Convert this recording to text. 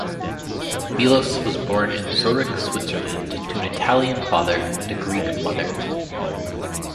Milos was born in Zurich, Switzerland, to an Italian father and a Greek mother.